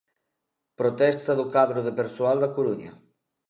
Protesta do cadro de persoal da Coruña.